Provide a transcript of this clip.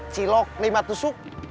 cilok lima tusuk